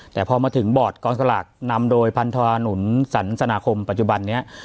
แต่พอมาถึงบอร์ดกองสลากนำโดยพันธวานุนสันสนาคมปัจจุบันนี้